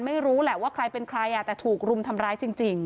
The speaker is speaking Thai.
ไม่รู้แหละว่าใครเป็นใครแต่ถูกรุมทำร้ายจริง